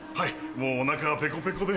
もうお腹がペコペコで。